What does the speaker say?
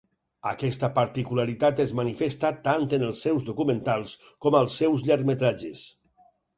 Aquesta particularitat es manifesta tant en els seus documentals com als seus llargmetratges.